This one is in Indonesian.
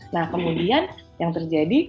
nah kemudian yang terjadi